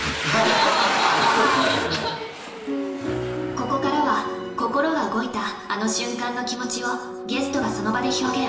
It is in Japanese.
ここからは心が動いたあの瞬間の気持ちをゲストがその場で表現。